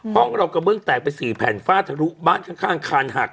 ห้องเรากับเมื่องแตกไปสี่แผ่นฟาดทะลุบ้านข้างข้างคานหัก